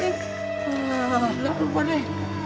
hah gila lupa deh